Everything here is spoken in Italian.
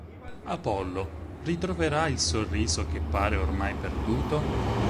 Apollo ritroverà il sorriso che pare ormai perduto?